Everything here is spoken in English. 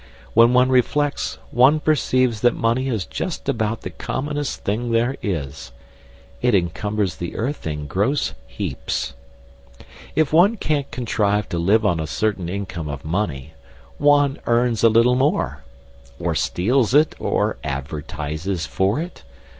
When one reflects, one perceives that money is just about the commonest thing there is. It encumbers the earth in gross heaps. If one can't contrive to live on a certain income of money, one earns a little more or steals it, or advertises for it.